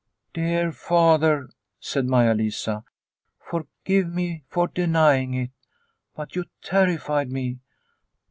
" Dear Father," said Maia Lisa, "forgive me for denying it. But you terrified me